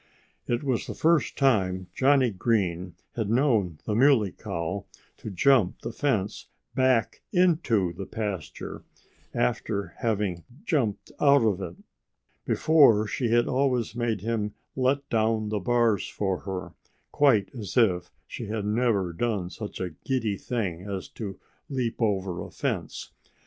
It was the first time Johnnie Green had known the Muley Cow to jump the fence back into the pasture, after jumping out of it. Before, she had always made him let down the bars for her, quite as if she had never done such a giddy thing as to leap over a fence.